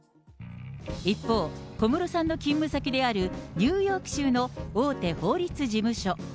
一方、小室さんの勤務先であるニューヨーク州の大手法律事務所。